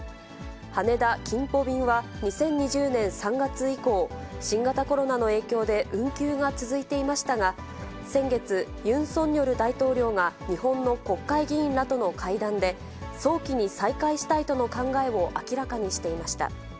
羽田・キンポ便は、２０２０年３月以降、新型コロナの影響で運休が続いていましたが、先月、ユン・ソンニョル大統領が、日本の国会議員らとの会談で、早期に再開したいとの考えを明らかにしていました。